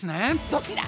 どちら！